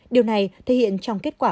điều này thể hiện trong kết quả